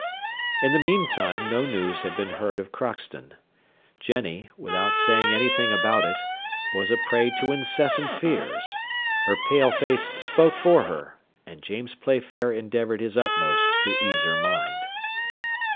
In the meantime no news had been heard of Crockston. Jenny, without saying anything about it, was a prey to incessant fears; her pale face spoke for her, and James Playfair endeavoured his utmost to ease her mind.